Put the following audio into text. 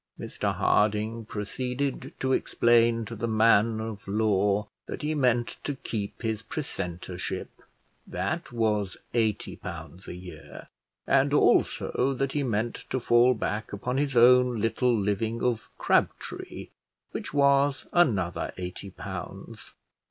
Mr Harding proceeded to explain to the man of law that he meant to keep his precentorship, that was eighty pounds a year; and, also, that he meant to fall back upon his own little living of Crabtree, which was another eighty pounds.